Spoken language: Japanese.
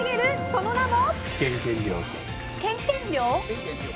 その名も。